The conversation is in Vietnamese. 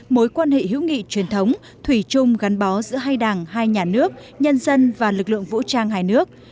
mối quan hệ hữu nghị truyền thống thủy chung gắn bó giữa hai đảng hai nhà nước nhân dân và lực lượng vũ trang hai nước